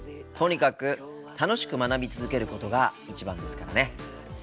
とにかく楽しく学び続けることが一番ですからね。